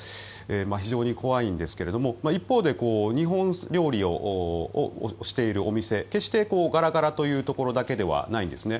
非常に怖いんですが一方で日本料理をしているお店決してガラガラというところだけではないんですね。